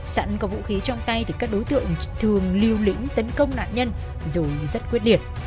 sẵn có vũ khí trong tay thì các đối tượng thường liều lĩnh tấn công nạn nhân rồi rất quyết liệt